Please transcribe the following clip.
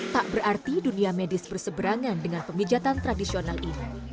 tak berarti dunia medis berseberangan dengan pemijatan tradisional ini